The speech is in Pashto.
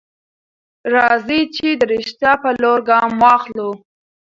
راځئ چې د رښتيا په لور ګام واخلو.